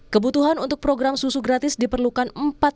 kebutuhan untuk program susu gratis diperlukan